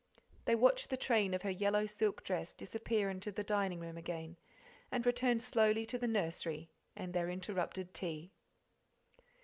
They watched the train of her yellow' silk dress disappear into the dining room again, and returned slowly to the nursery and their interrupted tea.